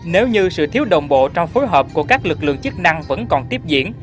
nếu như sự thiếu đồng bộ trong phối hợp của các lực lượng chức năng vẫn còn tiếp diễn